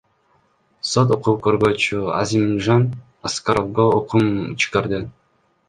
Сот укук коргоочу Азимжан Аскаровго өкүм чыгарды.